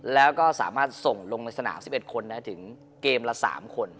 แล้วก็สามารถส่งลงในสนาม๑๑คนถึงเกมละ๓คน